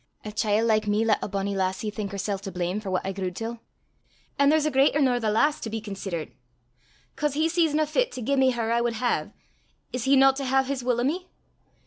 A chiel' like me lat a bonnie lassie think hersel' to blame for what I grew til! An' there's a greater nor the lass to be considert! 'Cause he seesna fit to gie me her I wad hae, is he no to hae his wull o' me?